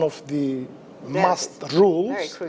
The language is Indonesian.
adalah salah satu peraturan yang harus diperlukan